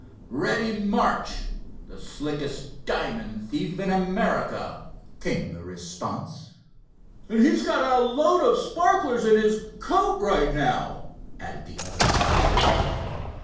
"Reddy Marsh, the slickest diamond thief in America," came the response. "And he's got a load of the sparklers in his coat right now," added the other officer.